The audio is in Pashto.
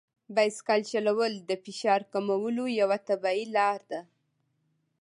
بایسکل چلول د فشار کمولو یوه طبیعي لار ده.